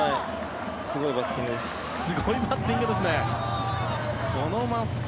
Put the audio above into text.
すごいバッティングです。